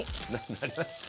なりました？